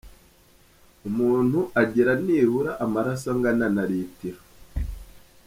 Umuntu agira nibura amaraso angana na litiro .